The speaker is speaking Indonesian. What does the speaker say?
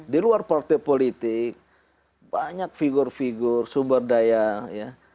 di luar partai politik banyak figur figur sumber daya ya